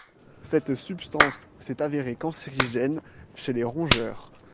Cette substance s'est avérée cancérigène chez les rongeurs.